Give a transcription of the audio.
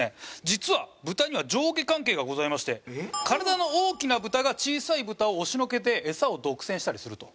実はブタには上下関係がございまして体の大きなブタが小さいブタを押しのけて餌を独占したりすると。